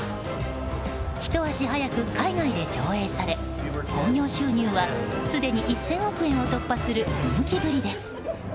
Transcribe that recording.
ひと足早く海外で上映され興行収入はすでに１０００億円を突破する人気ぶりです。